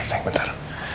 ah sayang bentar